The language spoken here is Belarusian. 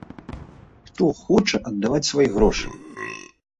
Хто хоча аддаваць свае грошы!?